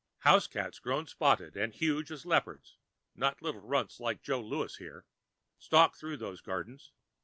Housecats grown spotted and huge as leopards (not little runts like Joe Louis here) stalk through those gardens.